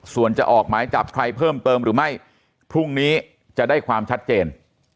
ส่วนจะออกหมายจับใครเพิ่มเติมหรือไม่พรุ่งนี้จะได้ความชัดเจน